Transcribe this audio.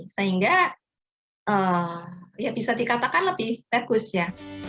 sehingga ya bisa dikatakan lebih bagus ya